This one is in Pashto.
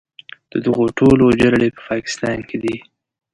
د دغو ټولو جرړې په پاکستان کې دي.